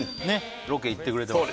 ロケ行ってくれてます